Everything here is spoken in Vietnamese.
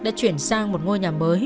đã chuyển sang một ngôi nhà mới